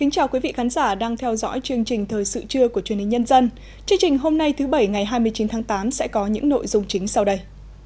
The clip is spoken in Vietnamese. chương trình hôm nay thứ bảy ngày hai mươi chín tháng tám sẽ có những nội dung chính sau đây